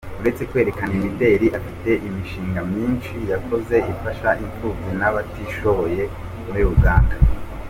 Uretse kwerekana imideli , afite imishinga myinshi yakoze ifasha imfubyi n’abatishoboye muri Uganda.